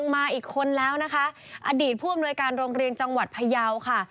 มาอีกคนแล้วนะคะอดีตผู้อำนวยการโรงเรียนจังหวัดพยาวค่ะ